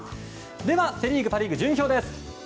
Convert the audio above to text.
セリーグ、パ・リーグの順位表です。